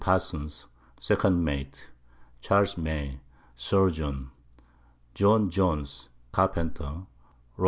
Parsons second Mate, Charles May Surgeon, John Jones Carpenter, Rob.